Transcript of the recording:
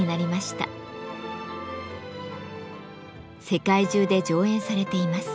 世界中で上演されています。